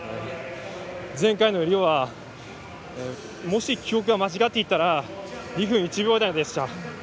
前回のリオはもし記憶が間違っていたら２分１秒台でした。